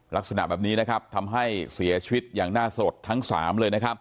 ลักษณะแบบนี้ทำให้เสียชีวิตอย่างน่าสะดดทั้ง๓เลย